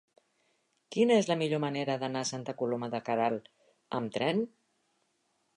Quina és la millor manera d'anar a Santa Coloma de Queralt amb tren?